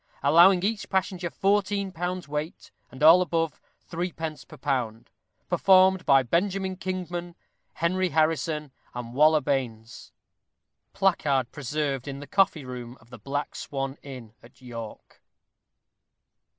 Allowing each passenger fourteen pounds' weight, and all above, three pence per pound. Performed by Benjamin Kingman, Henry Harrison, and Waller Baynes. _Placard, preserved in the coffee room, of the Black Swan Inn at York.